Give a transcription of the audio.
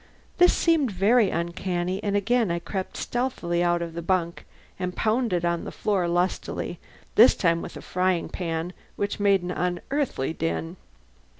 This seemed very uncanny, and again I crept stealthily out of the bunk and pounded on the floor lustily, this time with the frying pan, which made an unearthly din.